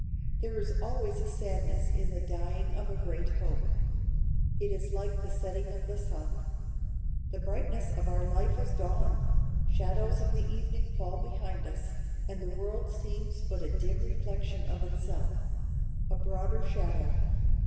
There is always a sadness in the dying of a great hope. It is like the setting of the sun. The brightness of our life is gone, shadows of the evening fall behind us, and the world seems but a dim reflection of itself—a broader shadow.